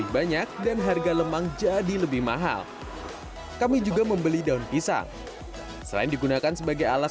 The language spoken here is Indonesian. banyak dan harga lemang jadi lebih mahal kami juga membeli daun pisang selain digunakan sebagai alas